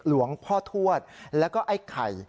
หลวงพ่อทวดแล้วก็ไอ้ไข่